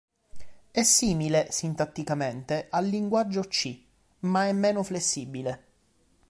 È simile, sintatticamente, al linguaggio C, ma è meno flessibile.